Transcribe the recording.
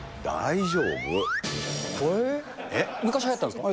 昔はやったんですか。